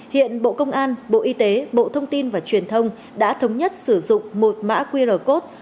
hiện bộ công an bộ y tế bộ thông tin và truyền thông đã thống nhất sử dụng một mã qr code